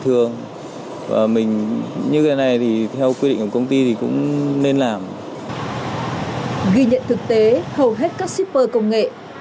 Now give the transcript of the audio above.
tương tự với người tài xế này qua thông báo của công ty đưa ra là phải thực hiện khai báo y tế qua đường link